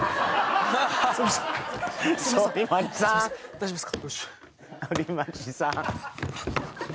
大丈夫っすか？